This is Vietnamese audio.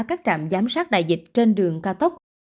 các trạm giám sát đại dịch trên đường cao tốc